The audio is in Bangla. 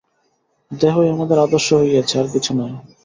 দেহই আমাদের আদর্শ হইয়াছে, আর কিছু নয়।